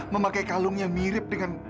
memakai kalung yang mirip dengan